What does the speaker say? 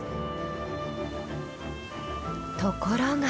ところが。